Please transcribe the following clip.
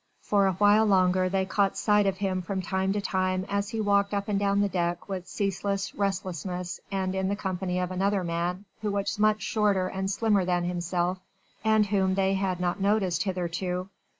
For awhile longer they caught sight of him from time to time as he walked up and down the deck with ceaseless restlessness and in the company of another man, who was much shorter and slimmer than himself and whom they had not noticed hitherto.